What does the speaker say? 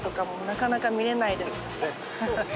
そうね。